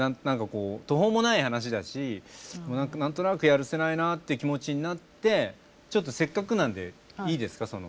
何かこう途方もない話だし何となくやるせないなっていう気持ちになってちょっとせっかくなんでいいですか？